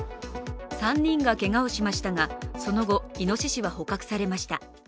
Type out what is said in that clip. ３人がけがをしましたが、その後いのししは捕獲されました。